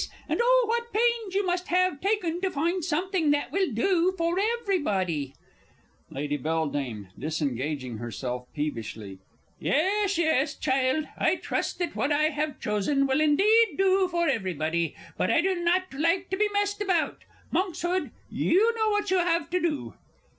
And oh, what pains you must have taken to find something that will do for everybody! Lady B. (disengaging herself peevishly). Yes, yes, child. I trust that what I have chosen will indeed do for everybody, but I do not like to be messed about. Monkshood, you know what you have to do.